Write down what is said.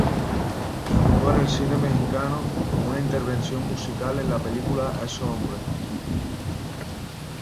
Debutó en el cine mexicano con una intervención musical en la película "¡Esos hombres!